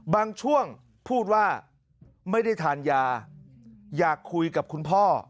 บางช่วงพูดว่าไม่ได้ทานยาอยากคุยกับคุณพ่อ